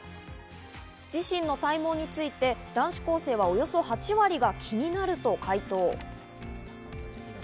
自身の体毛について男子校生はおよそ８割が気になると回答。